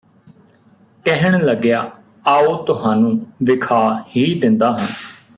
ਕਹਿਣ ਲੱਗਿਆ ਆਓ ਤੁਹਾਨੂੰ ਵਿਖਾ ਹੀ ਦਿੰਦਾ ਹਾਂ